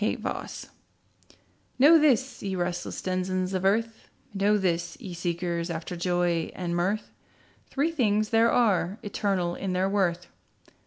THREE THINGS Know this, ye restless denizens of earth, Know this, ye seekers after joy and mirth, Three things there are, eternal in their worth.